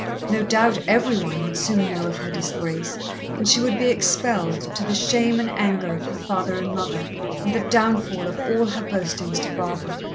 No doubt every one would soon know of her disgrace, and she would be expelled, to the shame and anger of her father and mother, and the downfall of all her boastings to Barbara.